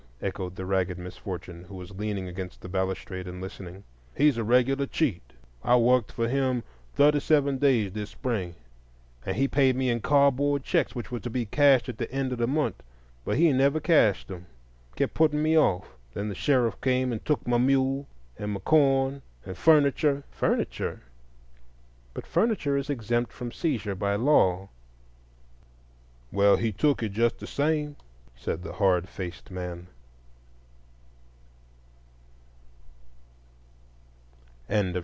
echoed the ragged misfortune, who was leaning against the balustrade and listening, "he's a regular cheat. I worked for him thirty seven days this spring, and he paid me in cardboard checks which were to be cashed at the end of the month. But he never cashed them,—kept putting me off. Then the sheriff came and took my mule and corn and furniture—" "Furniture? But furniture is exempt from seizure by law." "Well, he took it just the same," said the hard faced man.